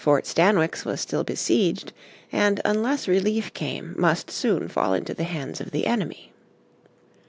Fort Stanwix was still besieged, and unless relief came must soon fall into the hands of the enemy.